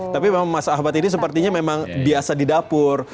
tapi masak masakan ini sepertinya memang biasa di dapur